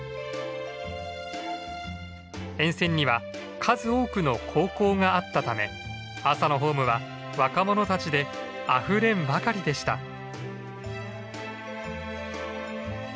沿線には数多くの高校があったため朝のホームは若者たちであふれんばかりでした。